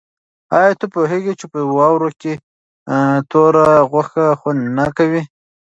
آیا ته پوهېږې چې په واوره کې توره غوښه خوند نه کوي؟